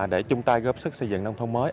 để chung tay góp sức xây dựng nông thôn mới